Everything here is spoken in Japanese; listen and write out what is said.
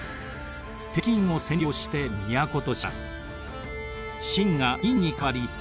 北京を占領して都とします。